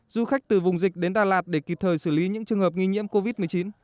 du khách từ vùng dịch đến đà lạt để kịp thời xử lý những trường hợp nghi nhiễm covid một mươi chín